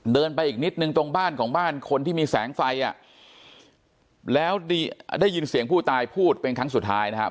ไปอีกนิดนึงตรงบ้านของบ้านคนที่มีแสงไฟอ่ะแล้วได้ยินเสียงผู้ตายพูดเป็นครั้งสุดท้ายนะครับ